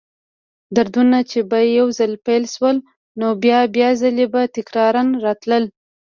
دردونه چې به یو ځل پیل شول، نو بیا بیا ځلې به تکراراً راتلل.